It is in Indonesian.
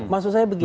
maksud saya begini